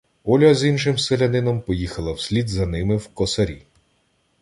Оля з іншим селянином поїхала вслід за ними в Косарі.